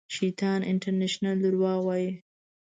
شیطان انټرنېشنل درواغ وایي